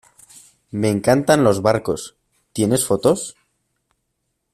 me encantan los barcos. ¿ tienes fotos?